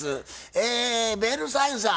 えベルサイユさん